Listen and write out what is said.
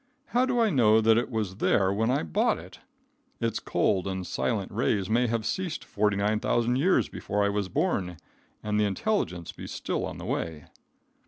How do I know that it was there when I bought it? Its cold and silent rays may have ceased 49,000 years before I was born and the intelligence be still on the way.